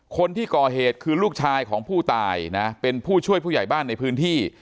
คนที่ก่อเหตุคือลูกชายของผู้ตายนะเป็นผู้ช่วยผู้ใหญ่บ้านในพื้นที่